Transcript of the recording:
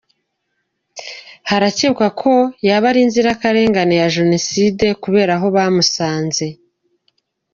Harakekwa ko yaba ari inzirakarengane ya Jenoside kubera aho bamusanze.